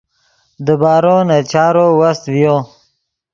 دیبارو نے چارو وست ڤیو